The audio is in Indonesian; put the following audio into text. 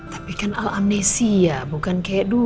tapi kan al amnesia bukan kayak dulu